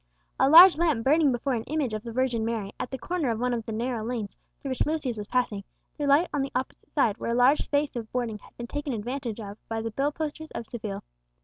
A large lamp burning before an image of the Virgin Mary, at the corner of one of the narrow lanes through which Lucius was passing, threw light on the opposite side, where a large space of boarding had been taken advantage of by the bill posters of Seville.